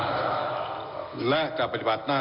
ก็ได้มีการอภิปรายในภาคของท่านประธานที่กรกครับ